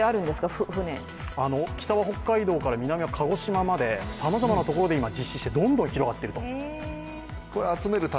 北は北海道から南は鹿児島までさまざまなところで今、実施してどんどん広がっていると。